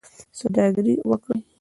سوداګري وکړئ